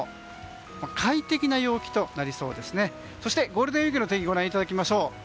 ゴールデンウィークの天気ご覧いただきましょう。